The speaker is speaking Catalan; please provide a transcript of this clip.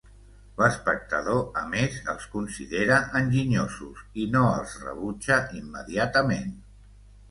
L'espectador, a més, els considera enginyosos i no els rebutja immediatament.